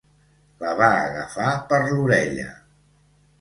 La va agafar per l'orella!